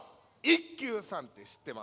一休さんってしってますか？